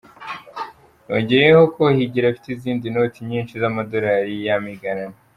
Yongeyeho ko Higiro afite izindi noti nyinshi z’amadorali y’amiganano.